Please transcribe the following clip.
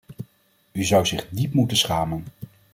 U zou zich diep moeten schamen.